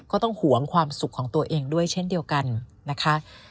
ห่วงความสุขของตัวเองด้วยเช่นเดียวกันนะคะ